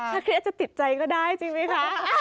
ชาคริสต์จะติดใจก็ได้จริงไหมคะ